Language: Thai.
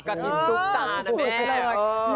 กะทินทุกส่าวนะแน่